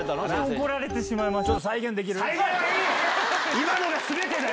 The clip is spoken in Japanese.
怒られてしまいました。